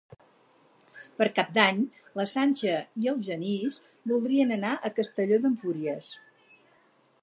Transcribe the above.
Per Cap d'Any na Sança i en Genís voldrien anar a Castelló d'Empúries.